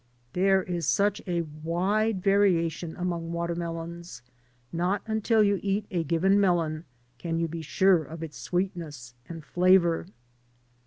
There is such a wide variation among watermelons. Not until you eat a given melon can you be sure of its sweetness and flavor.